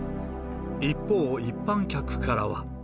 一方、一般客からは。